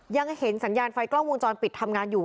ยังเห็นสัญญาณไฟกล้องวงจรปิดทำงานอยู่